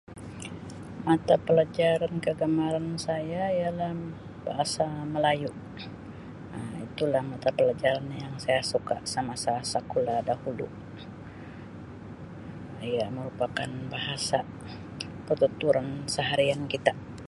Mata pelajaran kegemaran saya ialah Bahasa Melayu. Um Itulah mata pelajaran yang saya suka semasa sekolah dahulu. Ia merupakan bahasa pertuturan seharian kita.